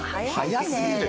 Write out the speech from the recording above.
早過ぎる。